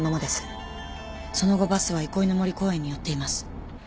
その後バスは憩いの森公園に寄っています。